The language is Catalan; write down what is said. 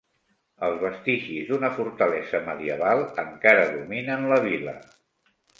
Els vestigis d'una fortalesa medieval encara dominen la vila.